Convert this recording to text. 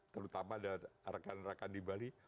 terutama ada rekan rekan di bali